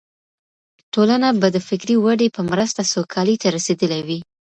ټولنه به د فکري ودې په مرسته سوکالۍ ته رسېدلې وي.